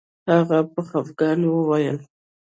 هغه په خفګان وویل